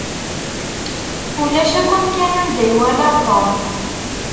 Ulac akk amkan anda i walaɣ Tom.